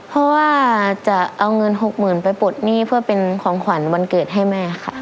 เพราะว่าจะเอาเงินหกหมื่นไปปลดหนี้เพื่อเป็นของขวัญวันเกิดให้แม่ค่ะ